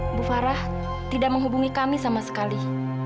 ibu farah tidak menghubungi kami sama sekali